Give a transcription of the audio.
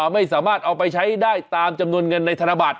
ไม่สามารถเอาไปใช้ได้ตามจำนวนเงินในธนบัตร